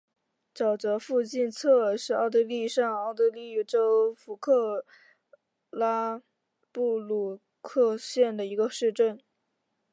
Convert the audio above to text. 沼泽附近策尔是奥地利上奥地利州弗克拉布鲁克县的一个市镇。